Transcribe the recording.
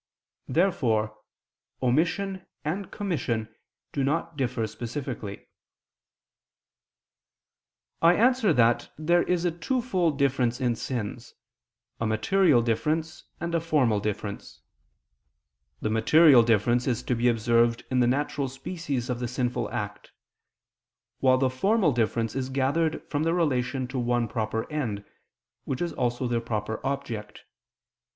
Therefore omission and commission do not differ specifically. I answer that, There is a twofold difference in sins; a material difference and a formal difference: the material difference is to be observed in the natural species of the sinful act; while the formal difference is gathered from their relation to one proper end, which is also their proper object.